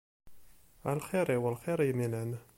A lxir-iw lxir yemlan.